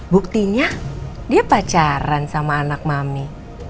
buktinya dia pacaran sama anak mami